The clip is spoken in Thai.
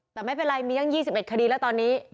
แต่ไม่เป็นไรมีตั้ง๒๑คดีแล้วตอนนี้